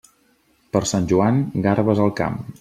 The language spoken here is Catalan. Per Sant Joan, garbes al camp.